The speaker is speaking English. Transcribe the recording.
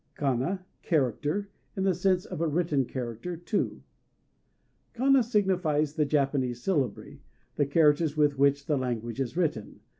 Kana ("Character" in the sense of written character) 2 Kana signifies the Japanese syllabary, the characters with which the language is written.